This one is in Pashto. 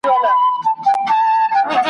د باغلیو ذخیرې سوې مکتبونه ,